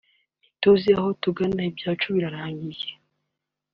ntituzi aho tugana ibyacu birarangiye